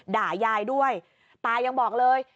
ด่ายายด้วยตายังบอกเลย